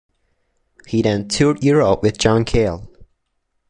He then toured Europe with John Cale.